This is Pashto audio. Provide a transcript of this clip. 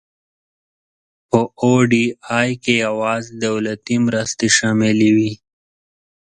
په او ډي آی کې یوازې دولتي مرستې شاملې وي.